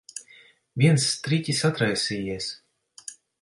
Viens striķis atraisījies.